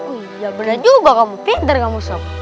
iya bener juga kamu pinter kamu sob